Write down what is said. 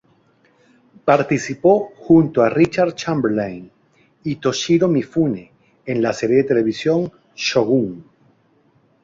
Participó junto a Richard Chamberlain y Toshiro Mifune en la serie de televisión "Shogun".